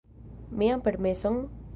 Mian permeson?